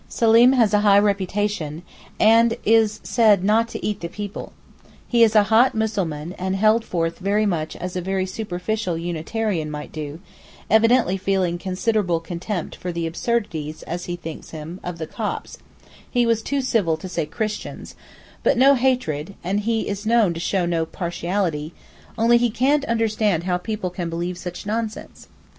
Seleem has a high reputation, and is said not to 'eat the people.' He is a hot Mussulman, and held forth very much as a very superficial Unitarian might do, evidently feeling considerable contempt for the absurdities, as he thinks them, of the Copts (he was too civil to say Christians), but no hatred (and he is known to show no partiality), only he 'can't understand how people can believe such nonsense.